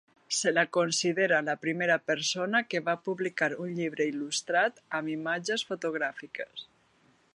Se la considera la primera persona que va publicar un llibre il·lustrat amb imatges fotogràfiques.